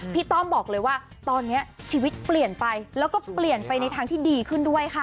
ต้อมบอกเลยว่าตอนนี้ชีวิตเปลี่ยนไปแล้วก็เปลี่ยนไปในทางที่ดีขึ้นด้วยค่ะ